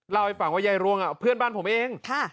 เล่าให้ฟังว่ายายรวงเพื่อนบ้านผมเอง